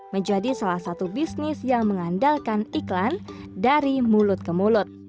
menjadi salah satu bisnis yang mengandalkan iklan dari mulut ke mulut